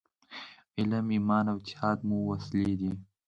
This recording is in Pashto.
علم، ایمان او اتحاد مو وسلې دي.